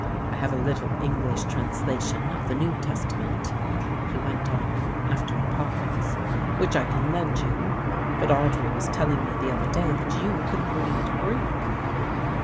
"I have a little English translation of the New Testament," he went on after a pause, "which I can lend you, but Audry was telling me the other day that you could read Greek."